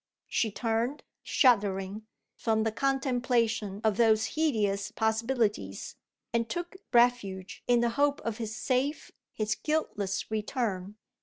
She turned, shuddering, from the contemplation of those hideous possibilities, and took refuge in the hope of his safe, his guiltless return.